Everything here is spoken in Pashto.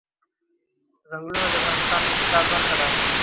چنګلونه د افغانستان د اقتصاد برخه ده.